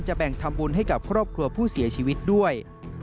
แบ่งทำบุญให้กับครอบครัวผู้เสียชีวิตด้วย